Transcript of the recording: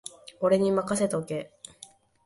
俺にまかせとけ